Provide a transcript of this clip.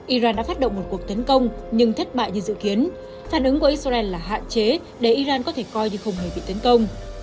iran đã phát động một cuộc tấn công nhưng thất bại như dự kiến phản ứng của israel là hạn chế để iran có thể coi như không hề bị tấn công